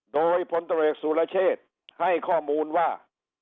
โดยพลตมรสุรเชษฐ์ให้ข้อมูลว่า